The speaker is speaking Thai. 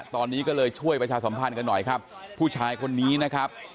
ตอนนี้ก็เลยช่วยประชาสัมพันธ์กันหน่อยครับผู้ชายคนนี้นะครับ